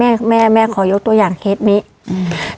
แม่แม่ขอยกตัวอย่างเคสนี้อืม